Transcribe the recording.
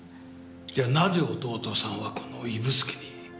じゃあなぜ弟さんはこの指宿に？